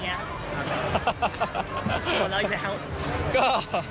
เอาละยังนะครับ